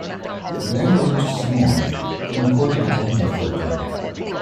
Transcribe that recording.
The band rehearsed some more, then recorded the album a third time.